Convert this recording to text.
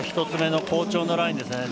１つ目の好調のラインです。